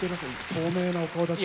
聡明なお顔だち。